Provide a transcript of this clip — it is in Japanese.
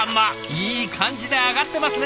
いい感じで揚がってますね。